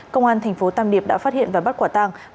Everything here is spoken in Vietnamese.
công an tp tam điệp đã phát hiện và bắt quả tàng